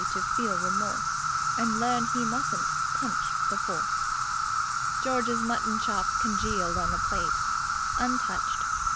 to feel remorse and learn he mustn't punch the Force." George's mutton chop congealed on the plate, untouched.